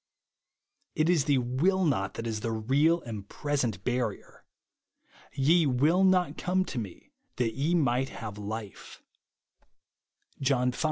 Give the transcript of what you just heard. It is the will not that is the real and present barrier. "Ye ivill not come to me that ye might have life," (John v.